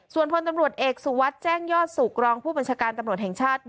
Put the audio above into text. ส่วนพลตำรวจเอกสุวัสดิ์แจ้งยอดสุขรองผู้บัญชาการตำรวจแห่งชาติ